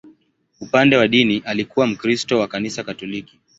Upande wa dini, alikuwa Mkristo wa Kanisa Katoliki.